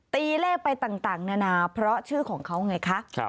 ตีเลขไปต่างนานาเพราะชื่อของเขาไงคะ